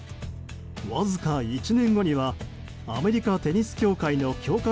わずか１年後にはアメリカテニス協会の強化